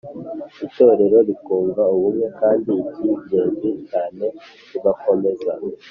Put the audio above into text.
itorero rikunga ubumwe kandi iki ingenzi cyane tugakomeza